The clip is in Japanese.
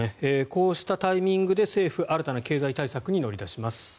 こうしたタイミングで政府は新たな経済対策に乗り出します。